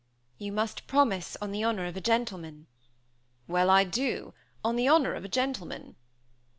"You must promise on the honor of a gentleman." "Well, I do; on the honor of a gentleman."